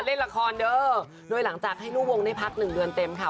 เล่นละครเด้อโดยหลังจากให้ลูกวงได้พักหนึ่งเดือนเต็มค่ะ